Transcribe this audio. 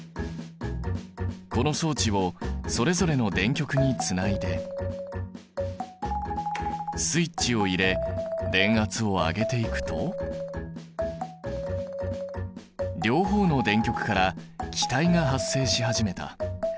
この装置をそれぞれの電極につないでスイッチを入れ電圧を上げていくと両方の電極から気体が発生し始めた。